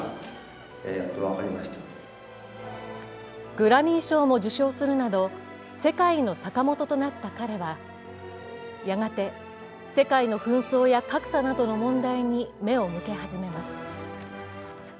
グラミー賞も受賞するなど、世界のサカモトとなった彼はやがて世界の紛争や格差などの問題に目を向け始めます。